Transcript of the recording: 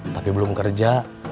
tapi belum kerja